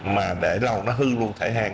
mà để lâu nó hư luôn thể hạn